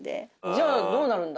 じゃあどうなるんだ？